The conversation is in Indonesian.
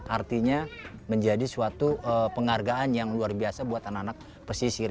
artinya menjadi suatu penghargaan yang luar biasa buat anak anak pesisir